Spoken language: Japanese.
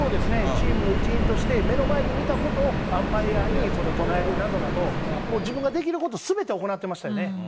チームの一員として目の前で見たことをアンパイヤにそれを唱えるなどなど、自分ができること、すべて行ってましたよね。